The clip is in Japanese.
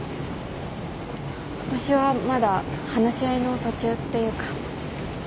私はまだ話し合いの途中っていうか。